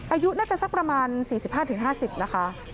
อายุน่าจะสักประมาณ๔๕๕๐นะคะ